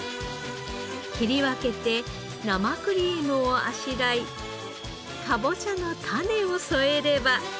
切り分けて生クリームをあしらいかぼちゃの種を添えれば。